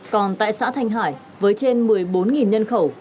còn tại xã thanh hải với trên một mươi bốn nhân khẩu